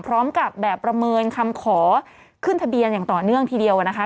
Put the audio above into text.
พร้อมกับแบบประเมินคำขอขึ้นทะเบียนอย่างต่อเนื่องทีเดียวนะคะ